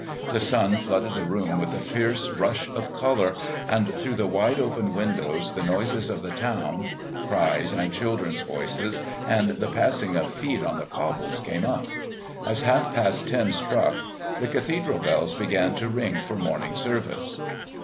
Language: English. The sun flooded the room with a fierce rush of colour, and through the wide open windows the noises of the town, cries and children's voices, and the passing of feet on the cobbles came up. As half past ten struck the Cathedral bells began to ring for morning service.